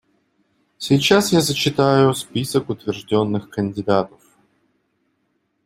Сейчас я зачитаю список утвержденных кандидатов.